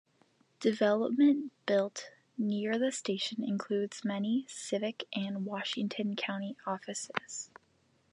Development built near the station includes many civic and Washington County offices.